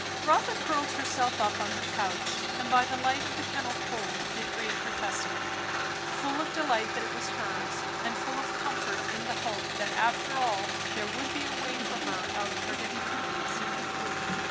Rotha curled herself up on her couch, and by the light of the kennal coal did read her Testament; full of delight that it was hers, and full of comfort in the hope that after all there would be a way for her out of her difficulties.